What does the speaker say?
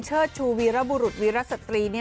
เชิดชูวีรบรุษวีรัสศะตรี